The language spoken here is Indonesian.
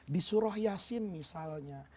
di surah yasin misalnya